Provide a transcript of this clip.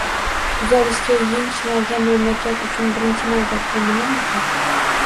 Tuzalishga yeng shimargan mamlakat uchun birinchi navbatda nimalar muhim?